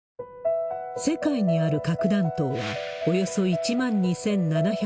世界にある核弾頭は、およそ１万２７００発。